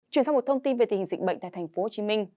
chuyển sang một thông tin về tình hình dịch bệnh tại tp hcm